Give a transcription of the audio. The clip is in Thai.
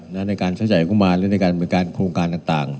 ในการใช้จ่ายออกมาและในการเป็นการโครงการต่าง